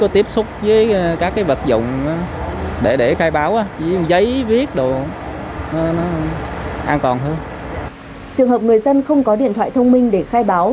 trường hợp người dân không có điện thoại thông minh để khai báo